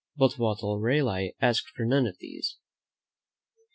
But Walter Raleigh asked for none of these.